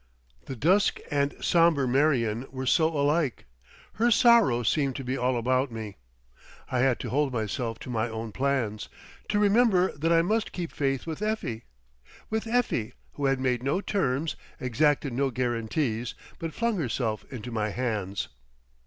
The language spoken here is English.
The dusk and somber Marion were so alike, her sorrow seemed to be all about me. I had to hold myself to my own plans, to remember that I must keep faith with Effie, with Effie who had made no terms, exacted no guarantees, but flung herself into my hands.